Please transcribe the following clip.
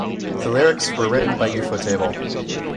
The lyrics were written by Ufotable.